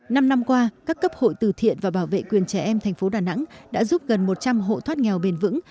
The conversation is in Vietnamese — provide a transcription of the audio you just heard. năm năm qua các cấp hội từ thiện và bảo vệ quyền trẻ em thành phố đà nẵng đã giúp gần một trăm linh hộ thoát nghèo bền vững